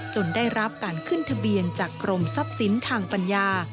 ได้รับการขึ้นทะเบียนจากกรมทรัพย์สินทางปัญญา